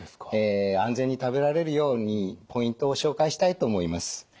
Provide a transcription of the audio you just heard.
安全に食べられるようにポイントを紹介したいと思います。